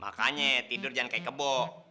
makannya tidur jangan kayak kebok